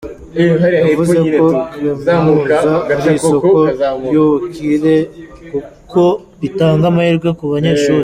Yavuze ko kaminuza ari isoko y’ubukire, kuko itanga amahirwe ku banyeshuri.